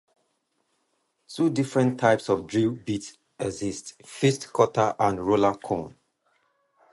Two different types of drill bits exist: fixed cutter and roller cone.